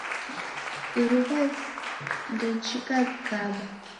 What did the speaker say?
Iiruw'a ndejicha w'ikaba.